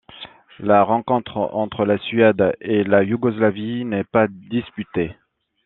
La rencontre entre la Suède et la Yougoslavie n'est pas disputée.